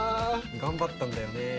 頑張ったんだよね。